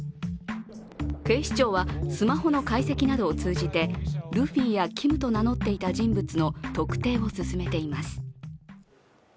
警視庁はスマホの解析などを通じてルフィやＫｉｍと名乗っていた人物の特定を進めています。